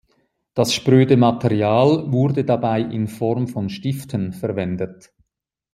Das spröde Material wurde dabei in Form von Stiften verwendet.